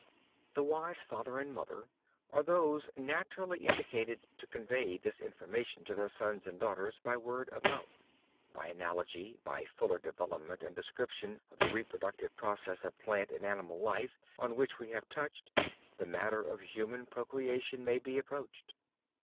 The wise father and mother are those naturally indicated to convey this information to their sons and daughters by word of mouth. By analogy, by fuller development and description of the reproductive processes of plant and animal life on which we have touched, the matter of human procreation may be approached.